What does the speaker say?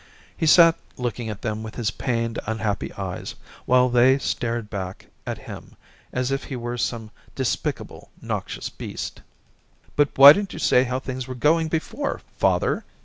He sat looking at them with his pained, unhappy eyes, while they stared back at him as if he were some despicable, noxious beast. ' But why didn't you say how things were going before, father